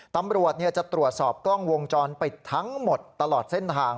ตำรวจจะตรวจสอบกล้องวงจรปิดทั้งหมดตลอดเส้นทาง